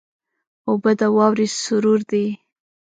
اوبه د واورې سرور دي.